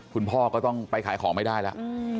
คุณพ่อก็ต้องไปขายของไม่ได้แล้ว